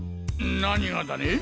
何がだね？